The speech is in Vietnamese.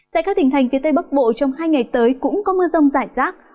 tại các tỉnh thành phía tây bắc bộ trong hai ngày tới cũng có mưa rông rải rác